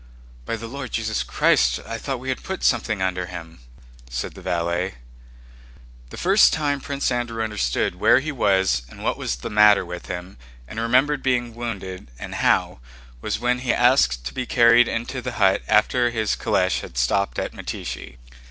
"By the Lord Jesus Christ, I thought we had put something under him!" said the valet. The first time Prince Andrew understood where he was and what was the matter with him and remembered being wounded and how was when he asked to be carried into the hut after his calèche had stopped at Mytíshchi.